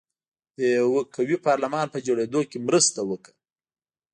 د یوه قوي پارلمان په جوړېدو کې مرسته وکړه.